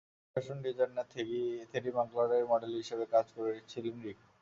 ফরাসি fashion designer Thierry মাগলারের model হিসেবে কাজ করেছিলেন রিক।